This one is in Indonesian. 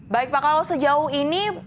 baik pak kalau sejauh ini